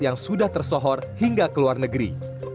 yang sudah tersohor hingga ke luar negeri